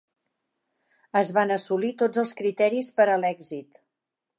Es van assolir tots els criteris per a l'èxit.